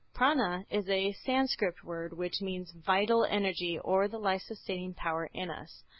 Prâna_ is a Sanskrit word which means vital energy or the life sustaining power in us.